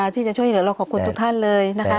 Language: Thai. ที่จะช่วยเหลือเราขอบคุณทุกท่านเลยนะคะ